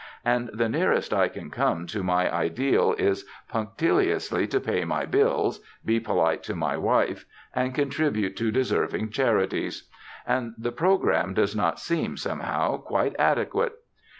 And the nearest I can come to my ideal is punctiliously to pay my bills, be polite to my wife, and contribute to deserving charities: and the program does not seem, somehow, quite adequate.